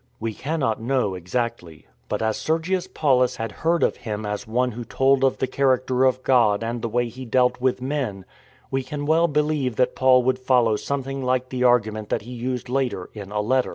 We cannot know exactly. But as Sergius Paulus had heard of him as one who told of the character of God and the way He dealt with men, we can well believe that Paul would follow something like the argument that he used later in a letter.